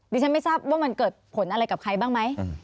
ฉันไม่ทราบว่ามันเกิดผลอะไรกับใครบ้างไหม